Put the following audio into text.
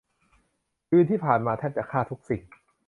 คืนที่ผ่านมาแทบจะฆ่าทุกสิ่ง